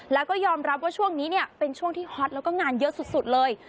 แล้วก็ยอมรับว่าช่วงนี้เนี่ยเป็นช่วงที่ฮอตแล้วก็งานเยอะสุดเลย